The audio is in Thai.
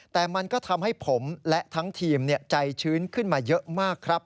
แต่มันก็ทำให้ผมและทั้งทีมใจชื้นขึ้นมาเยอะมากครับ